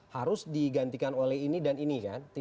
harus digantikan oleh ini dan ini ya